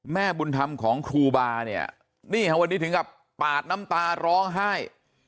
แม่บุญธรรมของครูบาเนี่ยนี่ค่ะวันนี้ถึงกับปาดน้ำตาร้องไห้